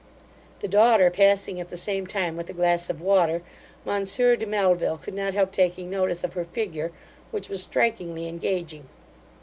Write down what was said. The daughter passing at the same time with a glass of water, monsieur de Melville could not help taking notice of her figure, which was strikingly engaging.